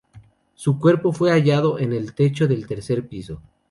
Su cuerpo fue hallado en el techo del tercer piso.